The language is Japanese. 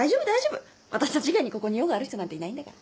私たち以外にここに用がある人なんていないんだから。